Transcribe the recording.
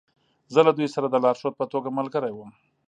زه له دوی سره د لارښود په توګه ملګری وم